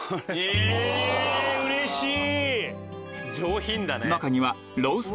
うれしい！